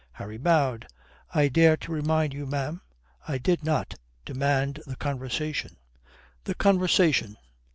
Harry bowed. "I dare to remind you, ma'am I did not demand the conversation." "The conversation!"